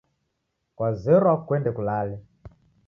Kwazerwa kuende kulale.